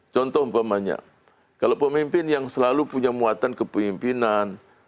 contoh umpamanya kalau pemimpin yang selalu punya muatan kepemimpinan